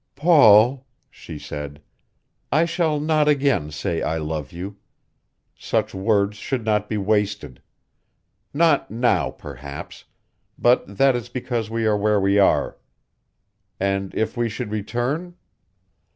"Paul," she said, "I shall not again say I love you. Such words should not be wasted. Not now, perhaps; but that is because we are where we are. And if we should return?